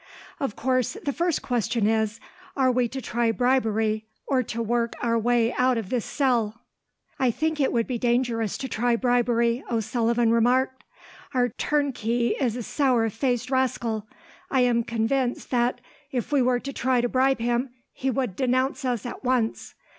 "Of course, the first question is, are we to try bribery, or to work our way out of this cell?" "I think that it would be dangerous to try bribery," O'Sullivan remarked. "Our turnkey is a sour faced rascal. I am convinced that, if we were to try to bribe him, he would denounce us at once.